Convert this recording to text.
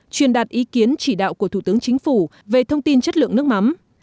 truyền đạt ý kiến chỉ đạo của thủ tướng chính phủ về thông tin chất lượng nước mắm